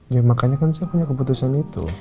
ya makanya kan saya punya keputusan itu